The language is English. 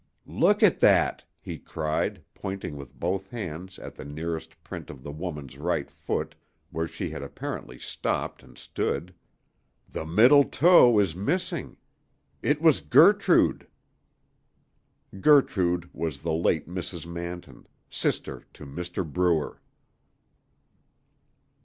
"Look at that!" he cried, pointing with both hands at the nearest print of the woman's right foot, where she had apparently stopped and stood. "The middle toe is missing—it was Gertrude!" Gertrude was the late Mrs. Manton, sister to Mr. Brewer.